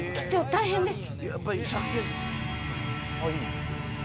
大変です。